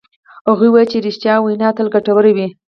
هغوی وایي چې ریښتیا وینا تل ګټوره وی